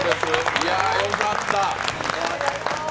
いやよかった、